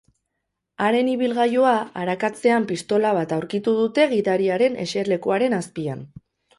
Haren ibilgailua arakatzean pistola bat aurkitu dute gidariaren eserlekuaren azpian.